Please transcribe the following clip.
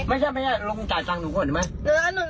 ไม่ใช่ไม่ใช่ลุงจ่ายตังค์หนูก่อนเห็นไหม